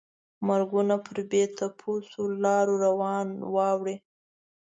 مرګونه پر بې تپوسو لارو روان واوړي.